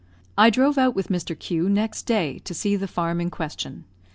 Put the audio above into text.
I drove out with Mr. Q next day to see the farm in question.